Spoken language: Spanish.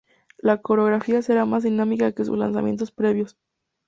La coreografía será más dinámica que sus lanzamientos previos.